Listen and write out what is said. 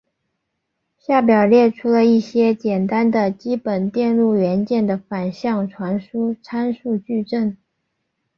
下表列出了一些简单的基本电路元件的反向传输参数矩阵。